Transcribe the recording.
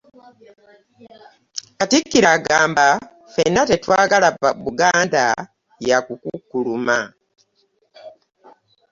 Katikkiro agamba ffenna tetwagala Buganda ya kukukkuluma